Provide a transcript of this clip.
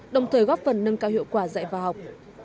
đồng thời góp phần nâng cao hiệu quả dạy và học